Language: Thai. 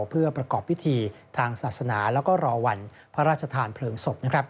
เพื่อประกอบพิธีทางศาสนาแล้วก็รอวันพระราชทานเพลิงศพ